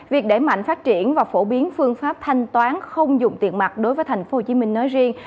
việc đẩy mạnh phát triển và phổ biến phương pháp thanh toán không dùng tiền mặt đối với tp hcm nói riêng